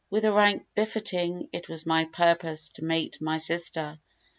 With a rank befitting it was my purpose to mate my sister.